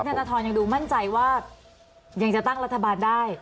ธนทรยังดูมั่นใจว่ายังจะตั้งรัฐบาลได้